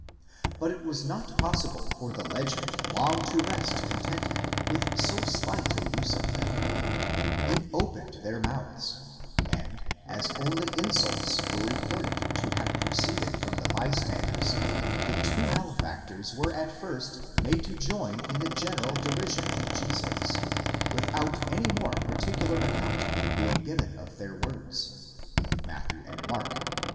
But it was not possible for the legend long to rest contented with so slight a use of them: it opened their mouths, and as only insults were reported to have proceeded from the bystanders, the two malefactors were at first made to join in the general derision of Jesus, without any more particular account being given of their words (Matt. and Mark).